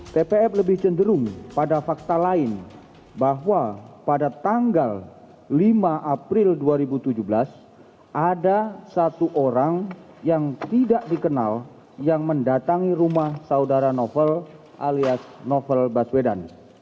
tpf lebih cenderung pada fakta lain bahwa pada tanggal lima april dua ribu tujuh belas ada satu orang yang tidak dikenal yang mendatangi rumah saudara novel alias novel baswedan